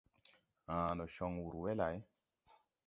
Ãã, ndo con wur we lay?